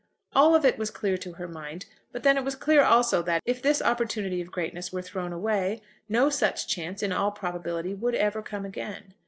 All of it was clear to her mind; but then it was clear also that, if this opportunity of greatness were thrown away, no such chance in all probability would ever come again.